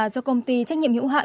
do công ty trách nhiệm hữu hạn